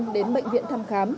đến bệnh viện thăm khám